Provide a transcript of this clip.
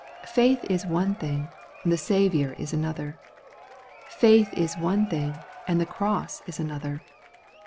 Faith is one thing, the Saviour is another. Faith is one thing, and the cross is another.